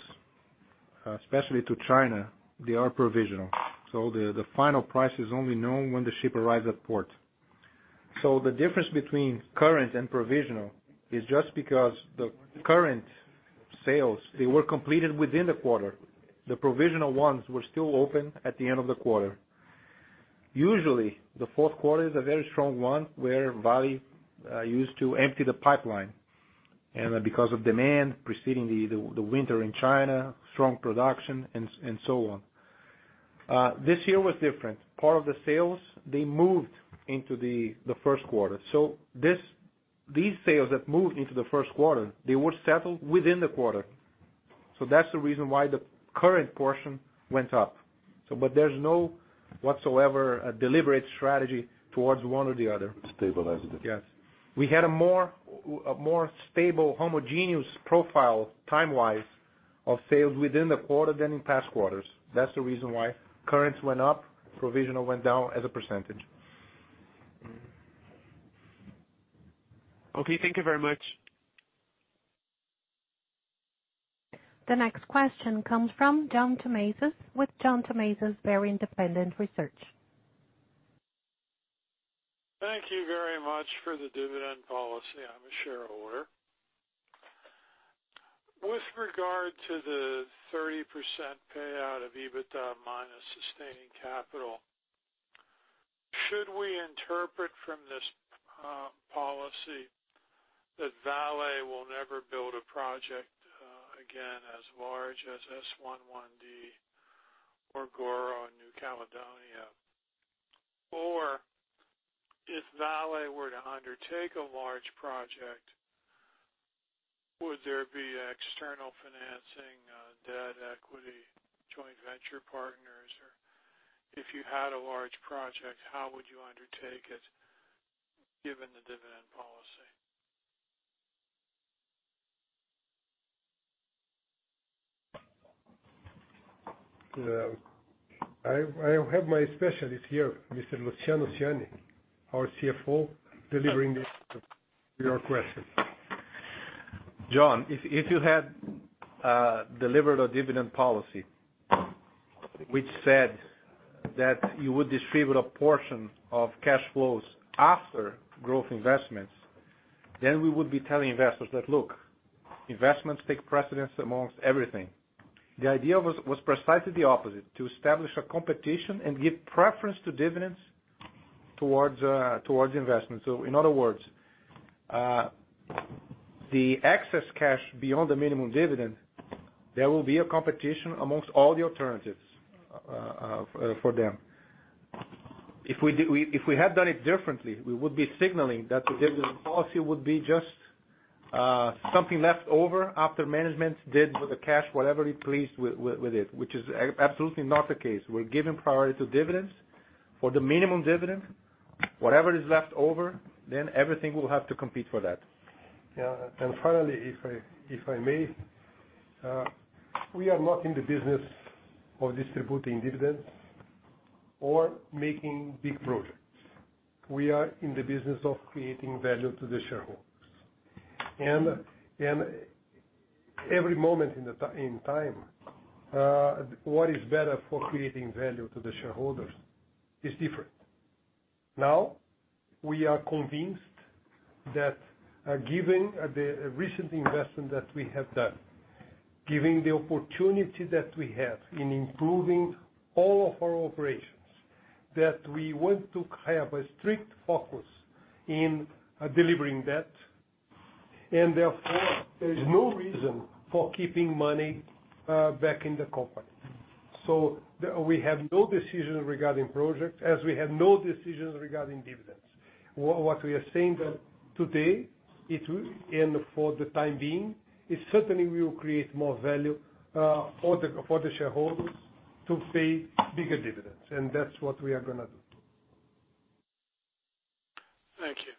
especially to China, they are provisional. The final price is only known when the ship arrives at port. The difference between current and provisional is just because the current sales, they were completed within the quarter. The provisional ones were still open at the end of the quarter. Usually, the fourth quarter is a very strong one where Vale used to empty the pipeline. Because of demand preceding the winter in China, strong production and so on. This year was different. Part of the sales, they moved into the first quarter. These sales that moved into the first quarter, they were settled within the quarter. That's the reason why the current portion went up. There's no whatsoever a deliberate strategy towards one or the other. Stabilized it. Yes. We had a more stable homogeneous profile time-wise of sales within the quarter than in past quarters. That's the reason why currents went up, provisional went down as a %. Okay. Thank you very much. The next question comes from John Tomasi with John Tomasi Very Independent Research. Thank you very much for the dividend policy. I'm a shareholder. With regard to the 30% payout of EBITDA minus sustaining capital, should we interpret from this policy that Vale will never build a project again as large as S11D or Goro in New Caledonia? If Vale were to undertake a large project, would there be external financing, debt, equity, joint venture partners? If you had a large project, how would you undertake it given the dividend policy? I have my specialist here, Mr. Luciano Siani, our CFO, delivering your question. John, if you had delivered a dividend policy which said that you would distribute a portion of cash flows after growth investments, then we would be telling investors that, "Look, investments take precedence amongst everything." The idea was precisely the opposite, to establish a competition and give preference to dividends towards investment. In other words, the excess cash beyond the minimum dividend, there will be a competition amongst all the alternatives for them. If we had done it differently, we would be signaling that the dividend policy would be just something left over after management did with the cash whatever it pleased with it, which is absolutely not the case. We're giving priority to dividends. For the minimum dividend, whatever is left over, everything will have to compete for that. Yeah. Finally, if I may, we are not in the business of distributing dividends or making big projects. We are in the business of creating value to the shareholders. Every moment in time, what is better for creating value to the shareholders is different. Now, we are convinced that given the recent investment that we have done, given the opportunity that we have in improving all of our operations, that we want to have a strict focus in delivering debt, therefore, there is no reason for keeping money back in the company. We have no decisions regarding projects as we have no decisions regarding dividends. What we are saying that today, and for the time being, it certainly will create more value for the shareholders to pay bigger dividends. That's what we are going to do. Thank you.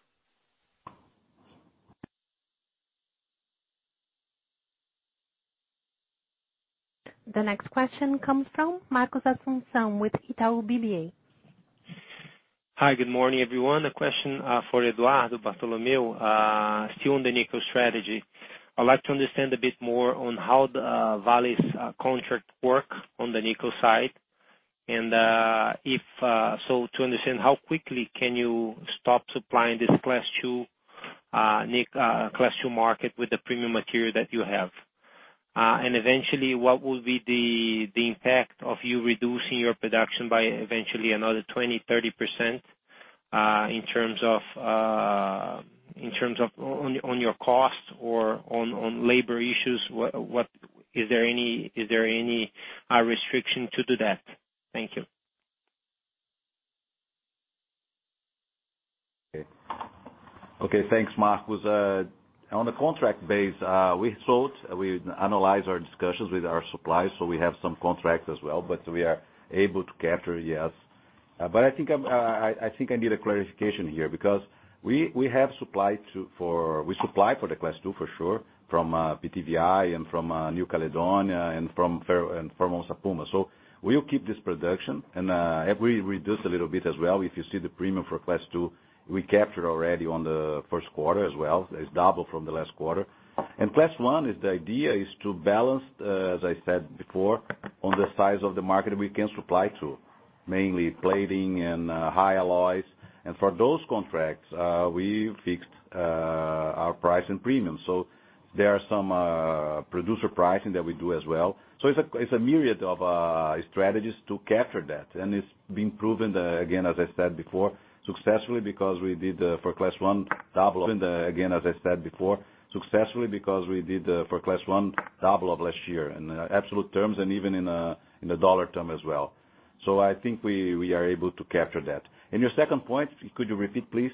The next question comes from Marcos Assumpção with Itaú BBA. Hi, good morning, everyone. A question for Eduardo Bartolomeo. Still on the nickel strategy. I'd like to understand a bit more on how Vale's contract work on the nickel side and if so to understand how quickly can you stop supplying this Class II nickel, Class II market with the premium material that you have. Eventually, what will be the impact of you reducing your production by eventually another 20%-30% in terms on your cost or on labor issues? Is there any restriction to do that? Thank you. Okay. Thanks, Marcos Assumpção. On the contract base, we thought we'd analyze our discussions with our suppliers, we have some contracts as well, we are able to capture, yes. I think I need a clarification here because we supply for the Class II for sure from PTVI and from New Caledonia and from Onça Puma. We'll keep this production, and if we reduce a little bit as well, if you see the premium for Class II, we captured already on the first quarter as well. It's double from the last quarter. Class I is the idea is to balance, as I said before, on the size of the market we can supply to, mainly plating and high alloys. For those contracts, we fixed our price and premium. There are some producer pricing that we do as well. It's a myriad of strategies to capture that. It's been proven, again, as I said before, successfully because we did for Class I double of last year in absolute terms, and even in the $ term as well. I think we are able to capture that. Your second point, could you repeat, please?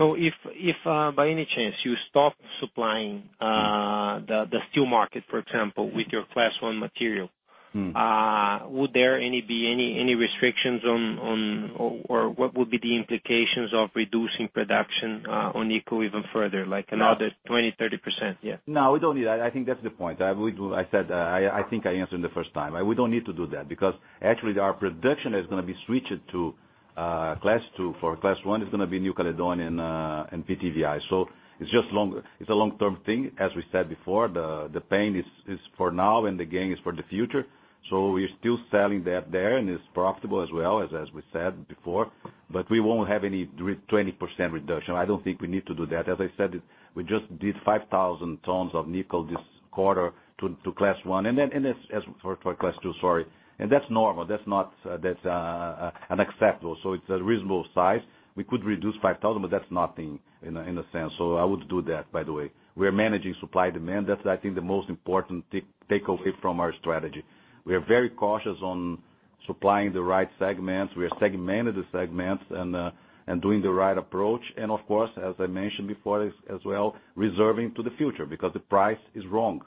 If by any chance you stop supplying the steel market, for example, with your Class I material- -would there be any restrictions on, or what would be the implications of reducing production on nickel even further, like another 20%, 30%? Yeah. No, we don't need that. I think that's the point. I think I answered the first time. We don't need to do that because actually our production is going to be switched to Class II. For Class I, it's going to be New Caledonian and PTVI. It's a long-term thing. As we said before, the pain is for now, and the gain is for the future. We are still selling that there, and it's profitable as well, as we said before, but we won't have any 20% reduction. I don't think we need to do that. As I said, we just did 5,000 tons of nickel this quarter to Class I. Then, for Class II, sorry. That's normal. That's acceptable. It's a reasonable size. We could reduce 5,000, but that's nothing in a sense. I would do that, by the way. We are managing supply demand. That's, I think, the most important takeaway from our strategy. We are very cautious on supplying the right segments. We are segmented segments and doing the right approach, and of course, as I mentioned before as well, reserving to the future because the price is wrong.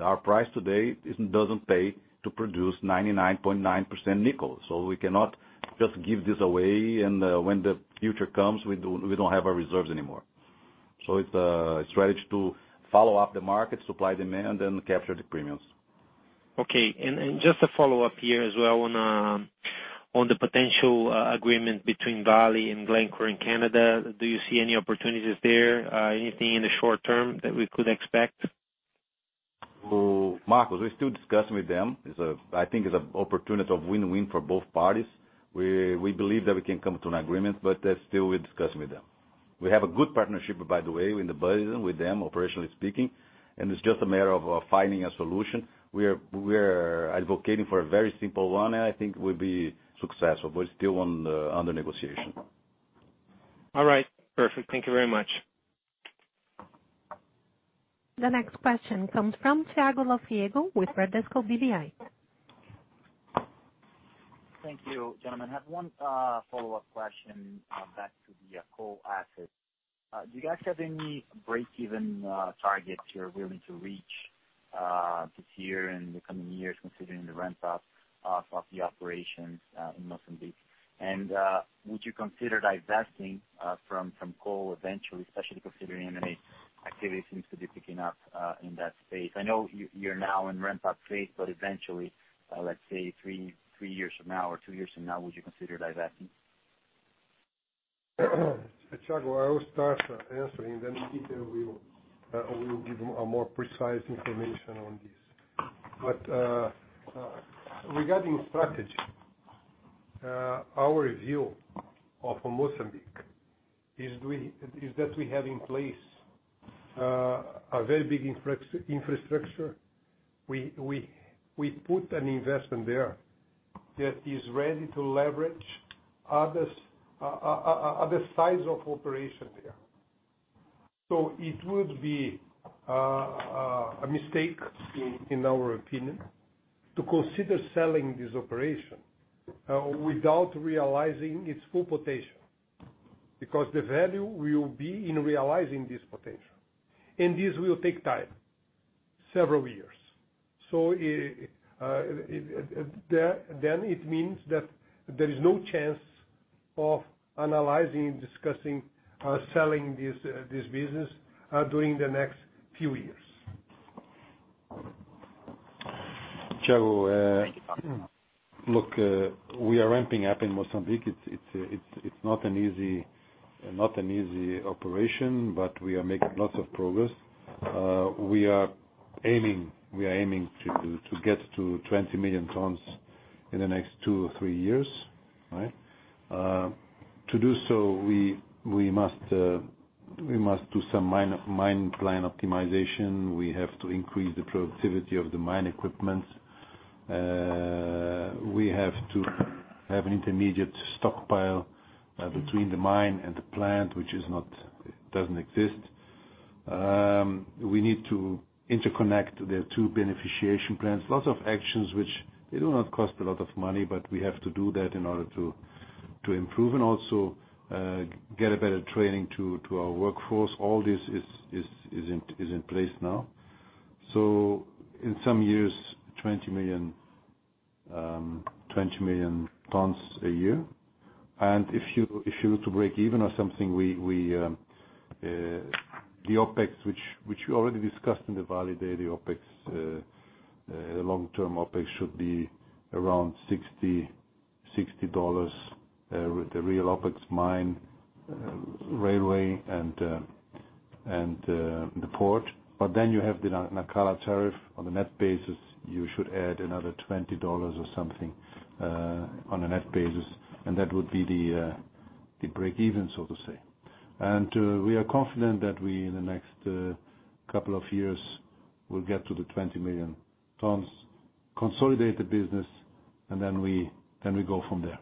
Our price today doesn't pay to produce 99.9% nickel, so we cannot just give this away, and when the future comes, we don't have our reserves anymore. It's a strategy to follow up the market supply demand and capture the premiums. Okay. Just a follow-up here as well on the potential agreement between Vale and Glencore in Canada. Do you see any opportunities there, anything in the short term that we could expect? Marcos, we're still discussing with them. I think it's an opportunity of win-win for both parties. We believe that we can come to an agreement, still we're discussing with them. We have a good partnership, by the way, with them, operationally speaking, it's just a matter of finding a solution. We're advocating for a very simple one, I think we'll be successful. Still under negotiation. All right. Perfect. Thank you very much. The next question comes from Thiago Lofiego with Bradesco BBI. Thank you. Gentlemen, I have one follow-up question back to the coal asset. Do you guys have any break-even targets you're willing to reach this year, in the coming years considering the ramp up of the operations in Mozambique? Would you consider divesting from coal eventually, especially considering M&A activity seems to be picking up in that space? I know you're now in ramp-up phase, but eventually, let's say three years from now or two years from now, would you consider divesting? Thiago, I will start answering, Peter will give a more precise information on this. Regarding strategy, our view of Mozambique is that we have in place a very big infrastructure. We put an investment there that is ready to leverage other sides of operation there. It would be a mistake, in our opinion, to consider selling this operation without realizing its full potential, because the value will be in realizing this potential, and this will take time, several years. It means that there is no chance of analyzing, discussing, selling this business during the next few years. Thiago, look, we are ramping up in Mozambique. It's not an easy operation, but we are making lots of progress. We are aiming to get to 20 million tons in the next two or three years, right? To do so, we must do some mine plan optimization. We have to increase the productivity of the mine equipment. We have to have an intermediate stockpile between the mine and the plant, which doesn't exist. We need to interconnect the two beneficiation plants. Lots of actions which they do not cost a lot of money, but we have to do that in order to improve and also get a better training to our workforce. All this is in place now. In some years, 20 million tons a year. If you were to break even or something, the long-term OpEx should be around $60 with the real OpEx mine railway and the port. You have the Nacala tariff. On a net basis, you should add another $20 or something on a net basis, that would be the The breakeven, so to say. We are confident that we, in the next couple of years, will get to the 20 million tons, consolidate the business, and then we go from there.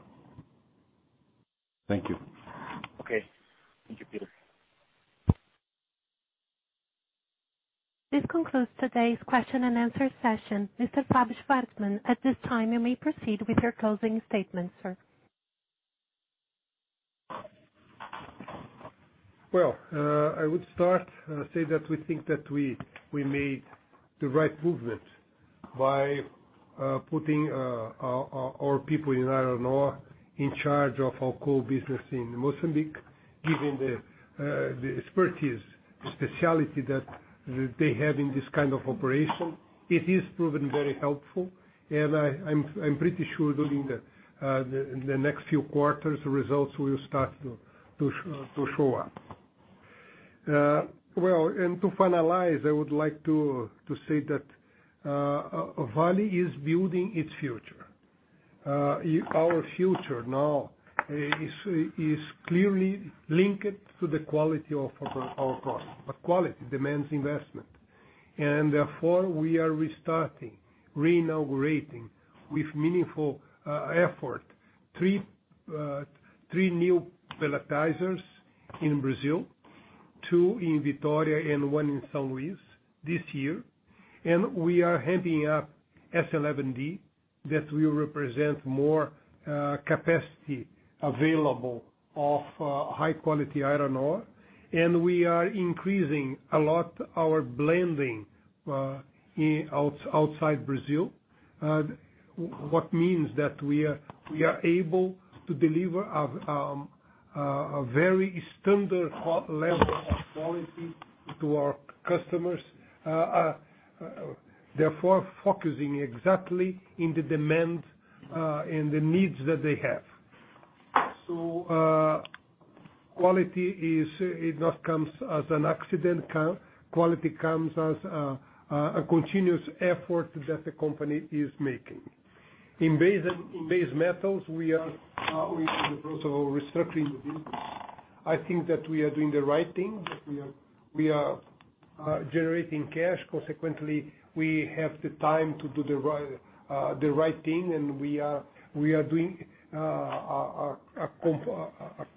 Thank you. Okay. Thank you, Peter. This concludes today's question and answer session. Mr. Fabio Schvartsman, at this time, you may proceed with your closing statement, sir. Well, I would start, say that we think that we made the right movement by putting our people in iron ore in charge of our coal business in Mozambique, given the expertise, the specialty that they have in this kind of operation. It is proven very helpful, and I'm pretty sure during the next few quarters, the results will start to show up. Well, to finalize, I would like to say that Vale is building its future. Our future now is clearly linked to the quality of our product. Quality demands investment. Therefore, we are restarting, reinaugurating, with meaningful effort, three new pelletizers in Brazil, two in Vitória and one in São Luís this year. We are ramping up S11D. That will represent more capacity available of high-quality iron ore. We are increasing a lot our blending outside Brazil. What means that we are able to deliver a very standard level of quality to our customers, therefore focusing exactly in the demand and the needs that they have. Quality, it not comes as an accident. Quality comes as a continuous effort that the company is making. In base metals, we are in the process of restructuring the business. I think that we are doing the right thing, that we are generating cash. Consequently, we have the time to do the right thing, and we are doing a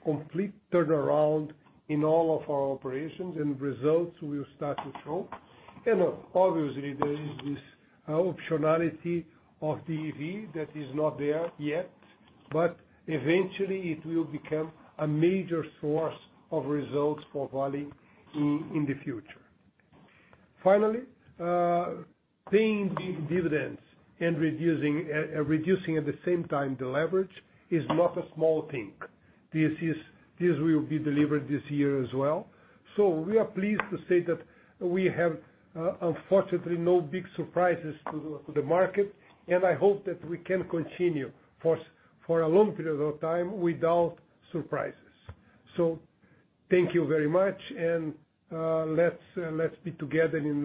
complete turnaround in all of our operations, and results will start to show. Obviously, there is this optionality of EV that is not there yet, but eventually it will become a major source of results for Vale in the future. Finally, paying dividends and reducing at the same time the leverage is not a small thing. This will be delivered this year as well. We are pleased to say that we have, unfortunately, no big surprises to the market, and I hope that we can continue for a long period of time without surprises. Thank you very much, and let's be together in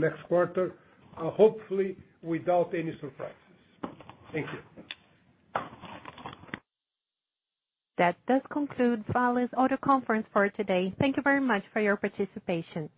next quarter, hopefully without any surprises. Thank you. That does conclude Vale's audio conference for today. Thank you very much for your participation.